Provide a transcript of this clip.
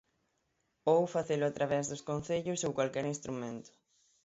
Ou facelo a través dos concellos ou calquera instrumento.